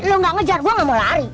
lo gak ngejar gue gak mau lari